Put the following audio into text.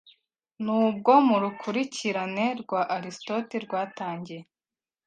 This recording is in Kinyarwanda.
nubwo mu rukurikirane rwa Aristote rwatangiye